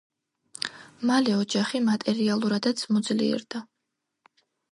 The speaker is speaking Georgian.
მალე ოჯახი მატერიალურადაც მოძლიერდა.